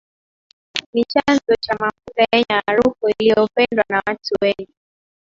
Ni chanzo cha mafuta yenye harufu inayopendwa na watu wengi